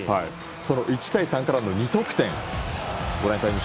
その１対３からの２得点です。